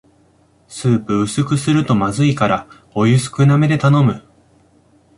スープ薄くするとまずいからお湯少なめで頼む